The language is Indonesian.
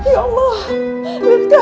ya allah rizka